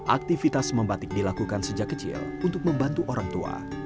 aktivitas membatik dilakukan sejak kecil untuk membantu orang tua